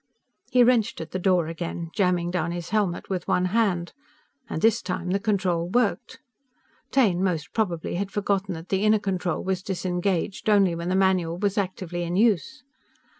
He wrenched at the door again, jamming down his helmet with one hand. And this time the control worked. Taine, most probably, had forgotten that the inner control was disengaged only when the manual was actively in use.